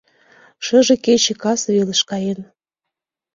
...Шыже кече кас велыш каен.